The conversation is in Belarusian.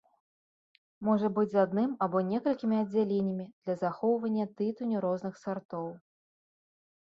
Можа быць з адным або з некалькімі аддзяленнямі для захоўвання тытуню розных сартоў.